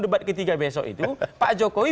debat ketiga besok itu pak jokowi